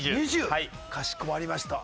かしこまりました。